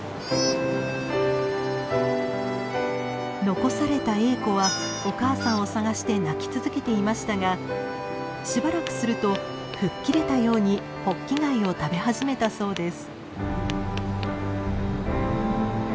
残されたエーコはお母さんを捜して鳴き続けていましたがしばらくすると吹っ切れたようにホッキ貝を食べ始めたそうです。